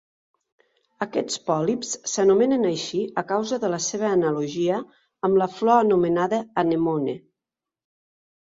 Aquests pòlips s'anomenen així a causa de la seva analogia amb la flor anomenada anemone.